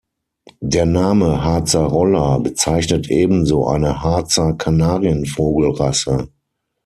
Der Name „Harzer Roller“ bezeichnet ebenso eine Harzer Kanarienvogel-Rasse.